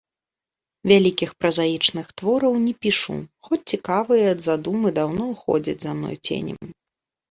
Вялікіх празаічных твораў не пішу, хоць цікавыя задумы даўно ходзяць за мной ценем.